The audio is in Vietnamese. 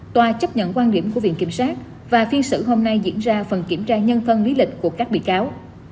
tòa chấp nhận quan điểm của viện kiểm sát và phiên xử hôm nay diễn ra phần kiểm tra nhân phân lý lịch của các bị cáo